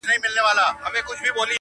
o خورک په خپله خوښه، کالي د بل په خوښه٫